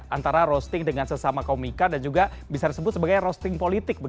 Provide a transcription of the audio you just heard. antara roasting dengan sesama komika dan juga bisa disebut sebagai roasting politik